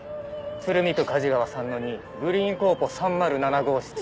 鶴見区梶川３−２グリーンコーポ３０７号室。